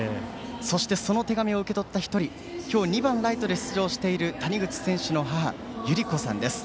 そしてその手紙を受け取った１人今日２番ライトで出場している谷口選手の母ゆりこさんです。